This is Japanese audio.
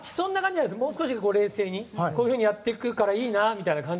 もう少し冷静にこういうふうにやっていくからいいな？みたいな。